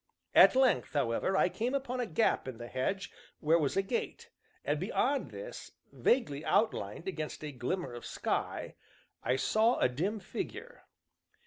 At length, however, I came upon a gap in the hedge where was a gate, and beyond this, vaguely outlined against a glimmer of sky, I saw a dim figure.